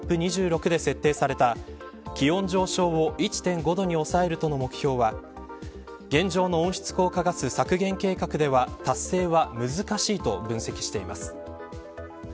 ＣＯＰ２６で設定された気温上昇を１．５度に抑えるとの目標は現状の温室効果ガス削減計画では達成は難しいと分析しています。